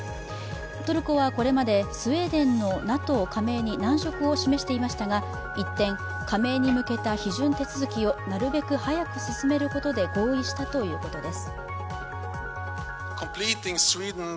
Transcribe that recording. トルコはこれまでスウェーデンのＮＡＴＯ加盟に難色を示していましたが一転、加盟に向けた批准手続きをなるべく早く進めることで合意したということです。